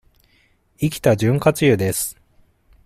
生きた潤滑油です。